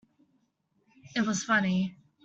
It was funny.